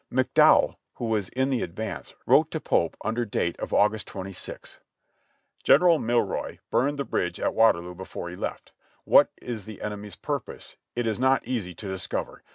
McDowell, who was in the advance, wrote to Pope under date of August 26 : "General Milroy burned the bridge at Waterloo before he left. What is the enemy's purpose, it is not easy to discover.